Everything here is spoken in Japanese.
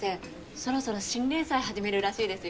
そろそろ新連載始めるらしいですよ。